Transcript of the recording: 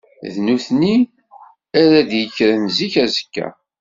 D nutni ara d-yekkren zik azekka.